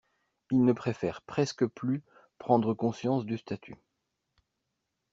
Ils ne préfèrent presque plus prendre conscience du statut...